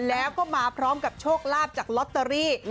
แล้วก็มาพร้อมกับโชคลาภจากลอตเตอรี่